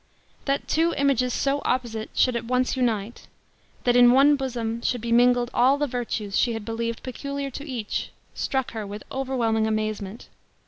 That two images so opposite should at once unite; that in one bosom should be mingled all the virtues she had believed peculiar to each, struck her with overwhelming amazement.